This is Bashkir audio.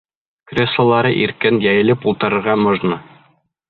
Креслолары иркен, йәйелеп ултырырға можно.